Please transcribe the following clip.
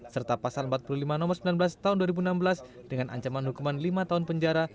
serta pasal empat puluh lima nomor sembilan belas tahun dua ribu enam belas dengan ancaman hukuman lima tahun penjara